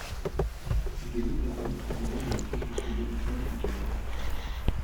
Il devient à terme président de l'Association médicale fidjienne.